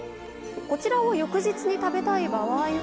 こちらを翌日に食べたい場合は。